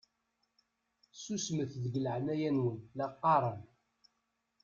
Susmet deg leɛnaya-nwen la qqaṛen!